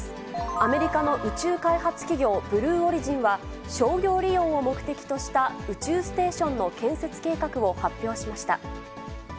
アメリカの宇宙開発企業、ブルーオリジンは、商業利用を目的とした宇宙ステーションの建設計画を発表しました。